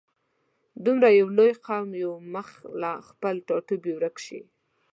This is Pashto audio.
دومره یو لوی قام یو مخ له خپل ټاټوبي ورک شي.